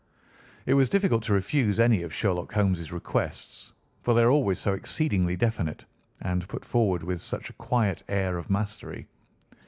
It was difficult to refuse any of Sherlock Holmes' requests, for they were always so exceedingly definite, and put forward with such a quiet air of mastery.